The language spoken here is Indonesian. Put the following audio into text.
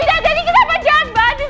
jadi kenapa jahat banget sih